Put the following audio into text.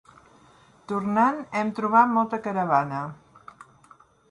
Tornant, hem trobat molta caravana.